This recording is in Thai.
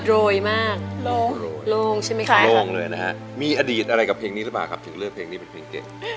โรยมากโล่งโล่งใช่ไหมคะโล่งเลยนะฮะมีอดีตอะไรกับเพลงนี้หรือเปล่าครับถึงเลือกเพลงนี้เป็นเพลงเก่ง